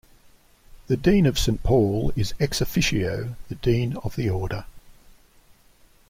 The Dean of Saint Paul's is "ex officio" the Dean of the Order.